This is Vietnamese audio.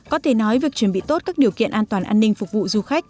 có thể nói việc chuẩn bị tốt các điều kiện an toàn an ninh phục vụ du khách